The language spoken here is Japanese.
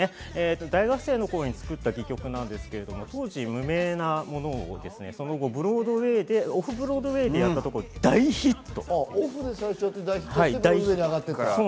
大学生の頃に作った自曲ですが、当時無名なものをその後、ブロードウェーでオフブロードウェーでやったところ大ヒット。